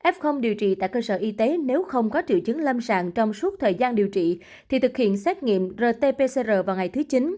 f điều trị tại cơ sở y tế nếu không có triệu chứng lâm sàng trong suốt thời gian điều trị thì thực hiện xét nghiệm rt pcr vào ngày thứ chín